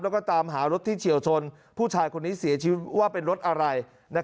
แล้วก็ตามหารถที่เฉียวชนผู้ชายคนนี้เสียชีวิตว่าเป็นรถอะไร